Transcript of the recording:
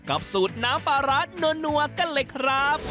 สูตรน้ำปลาร้านัวกันเลยครับ